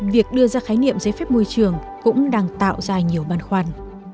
việc đưa ra khái niệm giấy phép môi trường cũng đang tạo ra nhiều băn khoăn